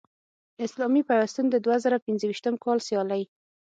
اسلامي پیوستون د دوه زره پنځویشتم کال سیالۍ